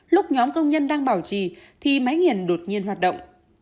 lúc nhóm công nhân đang bảo trì thì máy nghiền đột nhiên hoạt động